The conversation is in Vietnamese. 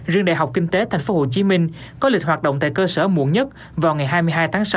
riêng đại học kinh tế tp hcm có lịch hoạt động tại cơ sở muộn nhất vào ngày hai mươi hai tháng sáu